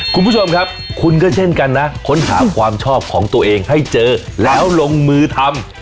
คุณผู้ชมครับคุณก็เช่นกันนะค้นหาความชอบของตัวเองให้เจอแล้วลงมือทำ